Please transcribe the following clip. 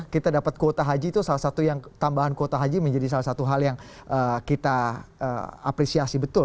kita dapat kuota haji itu salah satu yang tambahan kuota haji menjadi salah satu hal yang kita apresiasi betul